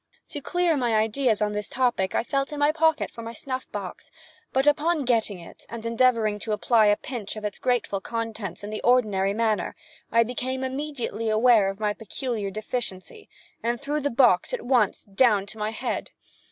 To clear my ideas on this topic I felt in my pocket for my snuff box, but, upon getting it, and endeavoring to apply a pinch of its grateful contents in the ordinary manner, I became immediately aware of my peculiar deficiency, and threw the box at once down to my head.